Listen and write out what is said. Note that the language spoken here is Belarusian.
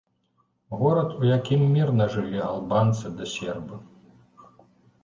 Горад, у якім мірна жылі албанцы ды сербы.